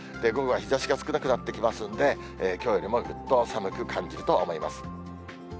午後は日ざしが少なくなってきますんで、きょうよりもずっと寒く感じると思います。